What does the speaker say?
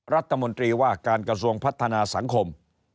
รัฐมนตรีว่าการกระทรวงพัฒนาสังคม